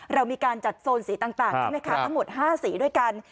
เรามีการจัดโซนสีต่างใช่ไหมคะทั้งหมด๕สีด้วยกัน